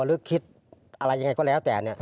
หรือคิดอะไรอย่างไรก็แล้วแต่เนี่ย